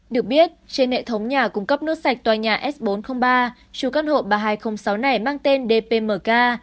được biết trên hệ thống nhà cung cấp nước sạch tòa nhà s bốn trăm linh ba chú căn hộ ba nghìn hai trăm linh sáu này mang tên dpmk